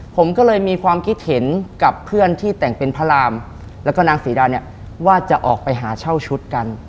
ผมก็เลยมีความคิดเห็นกับเพื่อนที่แต่งเป็นพระรามแล้วก็นางศรีดาเนี่ยว่าจะออกไปหาเช่าชุดกัน